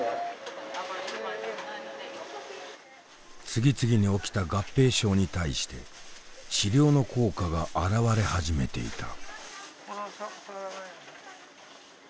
次々に起きた合併症に対して治療の効果が表れ始めていた。